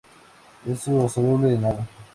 Es soluble en agua.